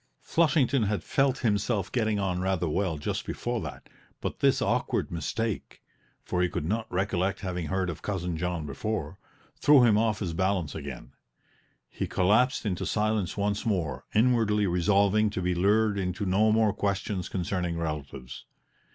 Flushington had felt himself getting on rather well just before that, but this awkward mistake for he could not recollect having heard of Cousin John before threw him off his balance again; he collapsed into silence once more, inwardly resolving to be lured into no more questions concerning relatives.